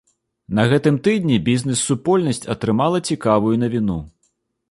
На гэтым тыдні бізнэс-супольнасць атрымала цікавую навіну.